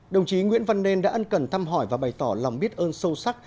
đồng chí nguyễn văn nên đã ân cần thăm hỏi và bày tỏ lòng biết ơn sâu sắc